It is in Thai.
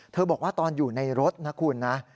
บอกว่าตอนอยู่ในรถนะคุณนะ